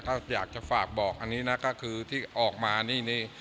ถ้าอยากจะฝากบอกอันนี้นะก็คือที่ออกมานี่